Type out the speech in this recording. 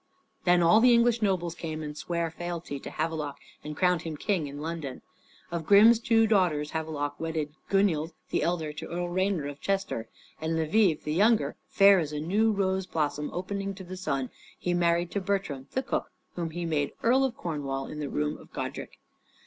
Then all the English nobles came and sware fealty to Havelok and crowned him King in London. Of Grim's two daughters, Havelok wedded Gunild, the elder, to Earl Reyner of Chester; and Levive, the younger, fair as a new rose blossom opening to the sun, he married to Bertram, the cook, whom he made Earl of Cornwall in the room of Godrich.